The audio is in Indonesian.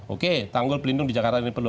oke tanggul pelindung di jakarta ini perlu